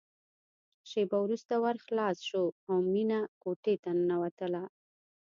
شېبه وروسته ور خلاص شو او مينه کوټې ته ننوتله